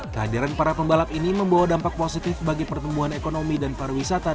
kehadiran para pembalap ini membawa dampak positif bagi pertumbuhan ekonomi dan pariwisata